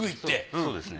そうですね。